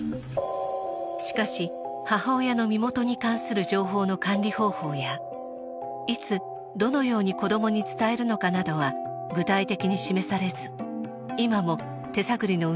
しかし母親の身元に関する情報の管理方法やいつどのように子どもに伝えるのかなどは具体的に示されず今も手探りの運用が続いています。